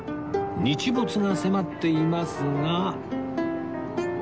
日没が迫っていますが